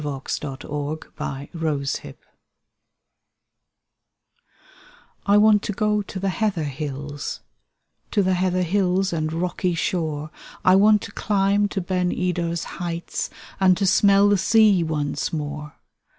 [W] THE SAD YEARS HOME I WANT to go to the heather hffls, To the heather hills and rocky shore I want to climb to Ben Edar's heights, And to smell the sea once more.